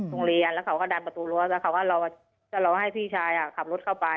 โรงเรียนแล้วเขาก็ดันประตูรั้วแล้วเขาก็จะรอให้พี่ชายขับรถเข้าไป